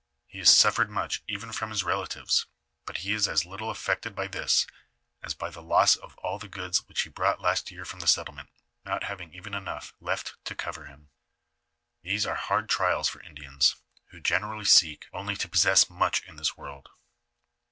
He has suifered much even from his relatives, but he is as little affected by this as by the loss of all tlie goods which be brought last year from the settlement, not havii!;? even enough left to cover him. These are hard trials for Indians, who generally seek only to possess much in this world.